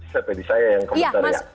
saya pedi saya yang komentar ya